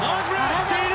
捕っている！